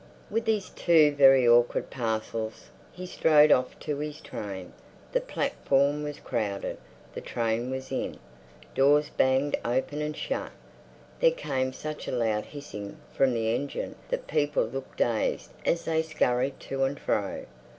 With his two very awkward parcels he strode off to his train. The platform was crowded, the train was in. Doors banged open and shut. There came such a loud hissing from the engine that people looked dazed as they scurried to and fro.